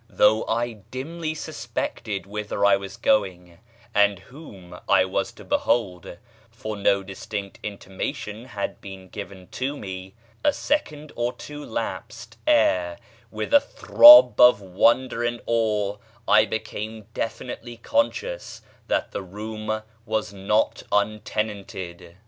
Though I dimly suspected whither I was going and whom I was to behold (for no distinct intimation had been given to me), a second or two lapsed ere, with a throb of wonder and awe, I became definitely conscious that the room was not untenanted.